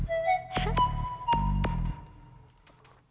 aduh ya luna muak